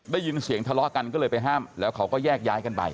ได้ยินเสียงทะเลาะกันก็เลยไปห้ามแล้วเขาก็แยกย้ายกันไป